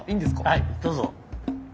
はいどうぞ。